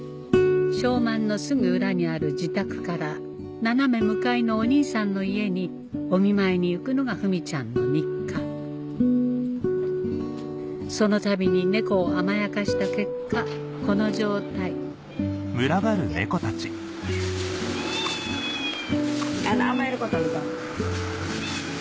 昌万のすぐ裏にある自宅から斜め向かいのお兄さんの家にお見舞いに行くのがフミちゃんの日課そのたびに猫を甘やかした結果この状態何甘えること言うとん。